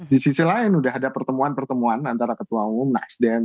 di sisi lain sudah ada pertemuan pertemuan antara ketua umum nasdem